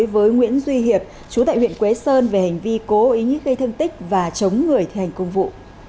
với nguyễn duy hiệp chú tại huyện quế sơn về hành vi cố ý gây thương tích và chống người thi hành công vụ